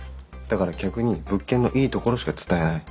だから客に物件のいいところしか伝えない。